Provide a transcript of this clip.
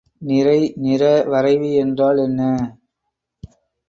நிறை நிறவரைவி என்றால் என்ன?